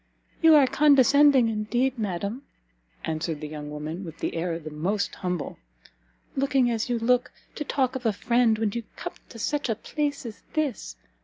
"You are condescending, indeed, madam," answered the young woman, with an air the most humble, "looking as you look, to talk of a friend when you come to such a place as this!